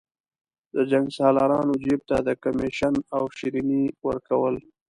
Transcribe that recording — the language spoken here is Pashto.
د جنګسالارانو جیب ته د کمېشن او شریني ورکول.